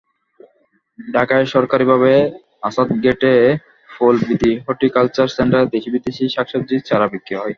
ঢাকায় সরকারিভাবে আসাদগেট ফলবীথি হর্টিকালচার সেন্টারে দেশি-বিদেশি শাকসবজির চারা বিক্রি হয়।